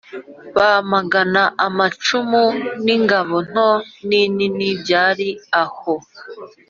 Bamagana amacumu n’ingabo ntoya n’inini byari aho